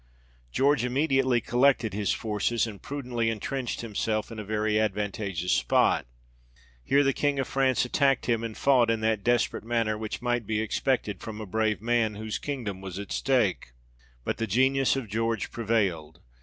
George immediately collected his forces, and prudently en E 50 THE REIGN OF GEORGE VI. trenched himself in a very advantageous spot ; here the King of France attacked him, and fought in that desperate manner which might be expected from a brave man, whose kingdom was at stake. But the genius of George prevailed.